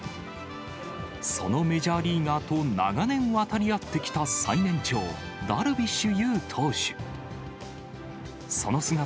そのメジャーリーガーと長年、渡り合ってきた最年長、ダルビッシュ有投手。